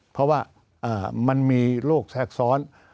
เพราะว่ามันมีโรคแทรกซ้อน